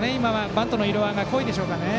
バントの色合いが濃いでしょうか。